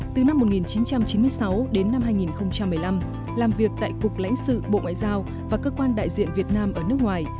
từ năm một nghìn chín trăm chín mươi sáu đến năm hai nghìn một mươi năm làm việc tại cục lãnh sự bộ ngoại giao và cơ quan đại diện việt nam ở nước ngoài